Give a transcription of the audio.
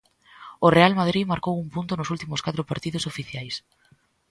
O Real Madrid marcou un punto nos últimos catro partidos oficiais.